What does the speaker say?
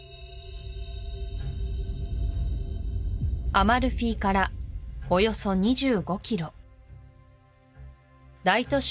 アマルフィからおよそ２５キロ大都市